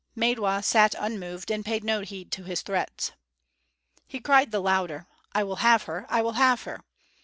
Maidwa sat unmoved and paid no heed to his threats. He cried the louder "I will have her, I will have her!"